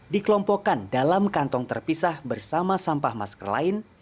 dikelompokkan dalam kantong terpisah bersama sampah masker lain